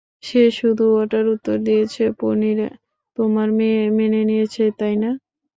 সে শুধু এটার উত্তর দিয়েছে পনির, তোমার মেয়ে মেনে নিয়েছে, তাই না?